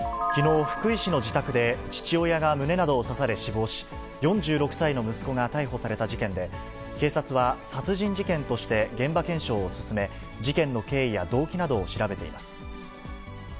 きのう、福井市の自宅で父親が胸などを刺され、死亡し、４６歳の息子が逮捕された事件で、警察は殺人事件として現場検証を進め、事件の経緯や動機などを調べています。